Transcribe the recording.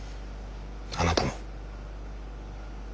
あなたも。